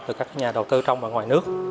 từ các nhà đầu tư trong và ngoài nước